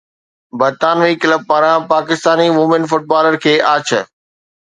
برطانوي ڪلب پاران Pakistani women footballer کي آڇ